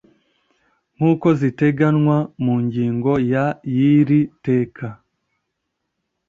Nk uko ziteganywa mu ngingo ya y iri teka